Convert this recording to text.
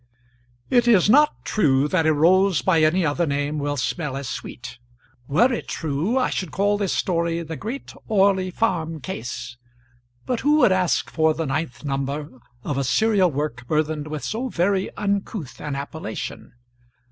It is not true that a rose by any other name will smell as sweet. Were it true, I should call this story "The Great Orley Farm Case." But who would ask for the ninth number of a serial work burthened with so very uncouth an appellation?